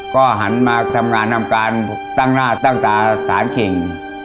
ก็หันมาทำงานทำการตั้งหน้าตั้งตาสารเข่ง